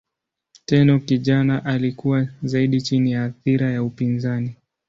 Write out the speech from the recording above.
Tenno kijana alikuwa zaidi chini ya athira ya upinzani.